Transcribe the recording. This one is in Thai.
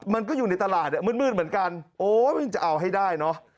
มันก็อยู่ในตลาดมืดเหมือนกันโอ้มันจะเอาให้ได้เนอะ